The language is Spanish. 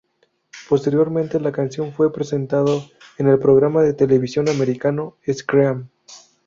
Posteriormente, la canción fue presentado en el programa de televisión americano Scream.